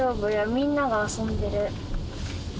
みんなが遊んでる。